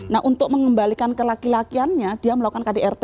nah untuk mengembalikan ke laki lakiannya dia melakukan kdrt